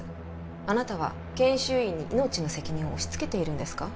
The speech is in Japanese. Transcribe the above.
あなたは研修医に命の責任を押し付けているんですか？